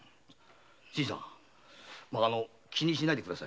新さん気にしないでください。